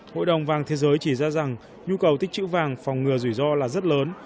hội đồng vàng thế giới chỉ ra rằng nhu cầu tích chữ vàng phòng ngừa rủi ro là rất lớn